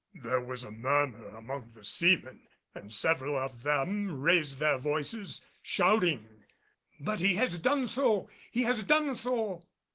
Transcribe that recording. There was a murmur among the seamen and several of them raised their voices, shouting, "But he has done so! He has done so!"